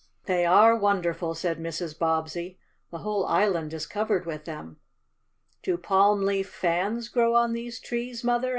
"They are wonderful," said Mrs. Bobbsey. "The whole island is covered with them." "Do palm leaf fans grow on these trees, Mother?"